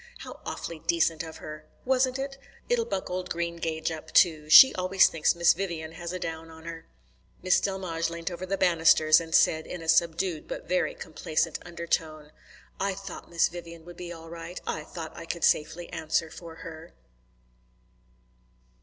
"How awfully decent of her!" "Wasn't it? It'll buck old Greengage up, too. She always thinks Miss Vivian has a down on her." Miss Delmege leant over the banisters and said in a subdued but very complacent undertone: "I thought Miss Vivian would be all right. I thought I could safely answer for her."